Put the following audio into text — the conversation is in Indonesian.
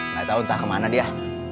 nggak tahu entah kemana dia